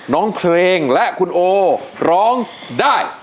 น้องเพลงและคุณโอร้องได้